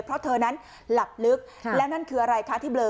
เพราะเธอนั้นหลับลึกแล้วนั่นคืออะไรคะที่เบลอ